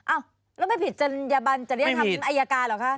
อ้าวแล้วไม่ผิดจัญญบันจริยธรรมอายการเหรอคะ